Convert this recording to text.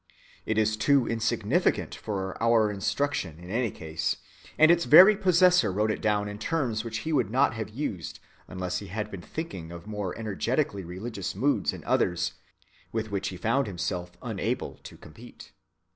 It is too insignificant for our instruction in any case; and its very possessor wrote it down in terms which he would not have used unless he had been thinking of more energetically religious moods in others, with which he found himself unable to compete.